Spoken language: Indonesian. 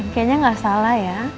kayaknya gak salah ya